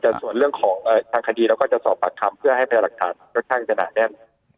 จะสวนเรื่องของทางคดีแล้วก็จะสอบปัดคำเพื่อให้มีรักษารักษณะแน่น